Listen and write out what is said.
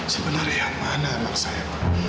sebenarnya yang mana maksud saya